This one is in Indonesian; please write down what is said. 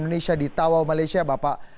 indonesia di tawau malaysia bapak